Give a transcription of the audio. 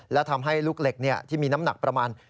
และทำให้ลูกเหล็กที่มีน้ำหนักประมาณ